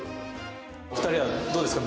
お二人はどうですか？